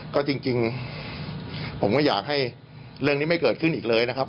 ก็จริงผมก็อยากให้เรื่องนี้ไม่เกิดขึ้นอีกเลยนะครับ